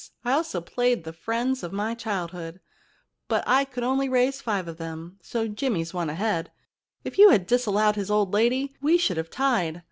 I also played the friends of my childhood, but I could only raise five of them. So Jimmy's one ahead. If you had disallowed his old lady we should have tied.